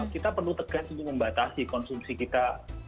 kita perlu tegas untuk membatasi konsumsi kita